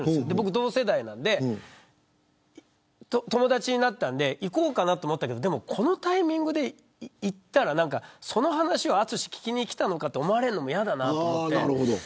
同世代なんで友達になったんで行こうかなと思ったんですけどこのタイミングで行ったらその話を淳聞きに来たのかと思われるのも嫌だなと思って。